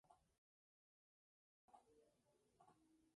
El álbum incluye remixes de selecciones de la banda sonora por varios artistas.